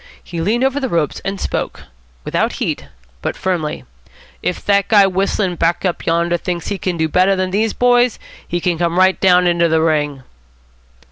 He leaned over the ropes, and spoke without heat, but firmly. "If that guy whistling back up yonder thinks he can do better than these boys, he can come right down into the ring."